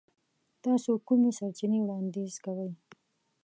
تاسو کومې سرچینې وړاندیز کوئ؟